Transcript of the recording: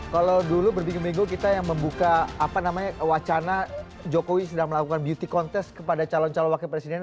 kalau dulu berbincang minggu kita yang membuka wacana jokowi sedang melakukan beauty contest kepada calon calon wakil presiden